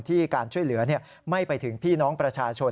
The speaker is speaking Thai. การช่วยเหลือไม่ไปถึงพี่น้องประชาชน